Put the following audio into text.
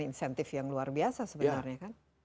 insentif yang luar biasa sebenarnya kan